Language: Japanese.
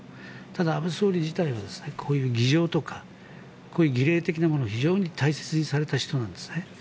ただ、安倍総理自体はこういう儀仗とかこういう儀礼的なものを非常に大切にされた人なんです。